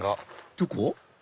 どこ？